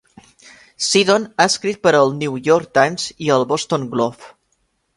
Seddon ha escrit per al New York Times i el Boston Globe.